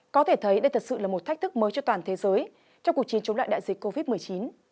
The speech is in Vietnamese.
có thể thấy đây thật sự là một thách thức mới cho toàn thế giới trong cuộc chiến chống lại đại dịch covid một mươi chín